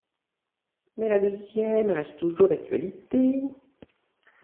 Mais la deuxième reste toujours d’actualité.